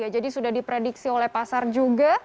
sudah diprediksi oleh pasar juga